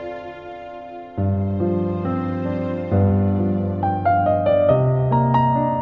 aku gak bisa tidur semalaman